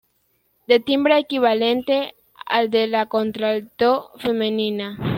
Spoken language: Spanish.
De timbre equivalente al de la contralto femenina.